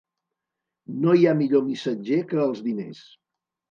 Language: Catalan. No hi ha millor missatger que els diners.